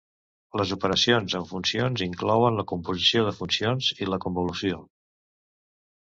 Les operacions amb funcions inclouen la composició de funcions i la convolució.